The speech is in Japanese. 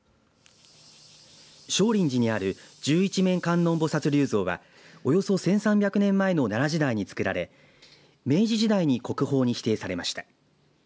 聖林寺にある十一面観音菩薩立像はおよそ１３００年前の奈良時代に作られ明治時代に国宝に指定されました。